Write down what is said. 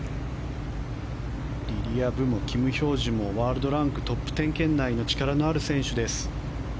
リリア・ブもキム・ヒョージュもワールドランクトップ１０圏内の力のある選手です。